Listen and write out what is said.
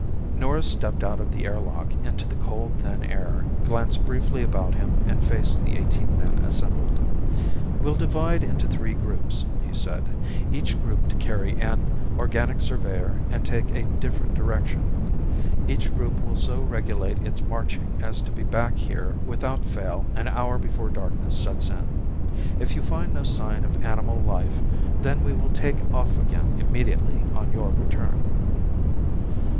Norris stepped out of the air lock into the cold thin air, glanced briefly about him and faced the eighteen men assembled. "We'll divide into three groups," he said. "Each group to carry an organic surveyor and take a different direction. Each group will so regulate its marching as to be back here without fail an hour before darkness sets in. If you find no sign of animal life, then we will take off again immediately on your return."